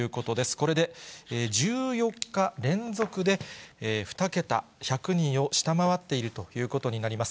これで１４日連続で２桁、１００人を下回っているということになります。